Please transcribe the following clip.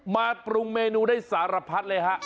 ปรุงเมนูได้สารพัดเลยฮะ